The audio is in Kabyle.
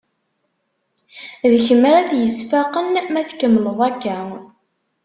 D kemm ara t-yesfaqen ma tkemmleḍ akka.